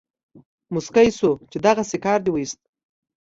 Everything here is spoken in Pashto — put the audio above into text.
موسکی شو چې دغسې کار دې وایست.